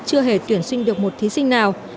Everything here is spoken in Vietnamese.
chưa hề tuyển sinh được một thí sinh nào